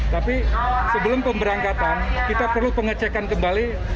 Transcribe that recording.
tapi sebelum pemberangkatan kita perlu pengecekan kembali